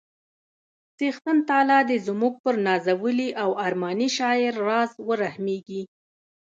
څښتن تعالی دې زموږ پر نازولي او ارماني شاعر راز ورحمیږي